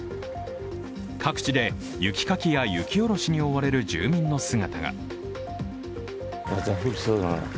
各地で、雪かきや雪下ろしに追われる住人の姿が。